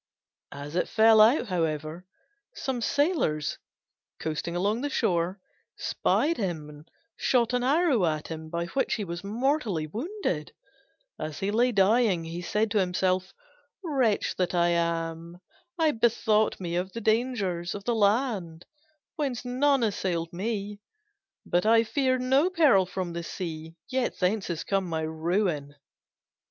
As it fell out, however, some sailors, coasting along the shore, spied him and shot an arrow at him, by which he was mortally wounded. As he lay dying, he said to himself, "Wretch that I am! I bethought me of the dangers of the land, whence none assailed me: but I feared no peril from the sea, yet thence has come my ruin."